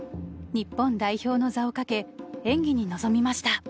日本代表の座をかけ演技に臨みました。